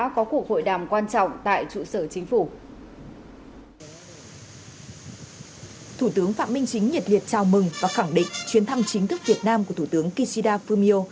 chào mừng và khẳng định chuyến thăm chính thức việt nam của thủ tướng kishida fumio